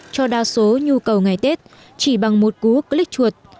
cho đa số nhu cầu ngày tết chỉ bằng một cú click chuột